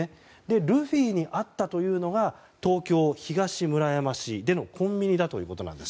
ルフィに会ったというのが東京・東村山市のコンビニだということなんです。